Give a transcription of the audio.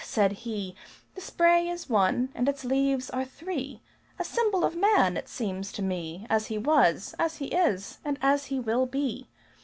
said he, "The spray is one and its leaves are three, A symbol of man, it seems to me, As he was, as he is, and as he will be!